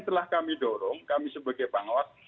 setelah kami dorong kami sebagai pengawas